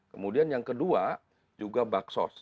kemudian yang kedua juga bank sos